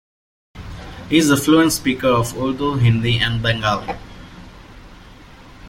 He is a fluent speaker of Urdu, Hindi, and Bengali.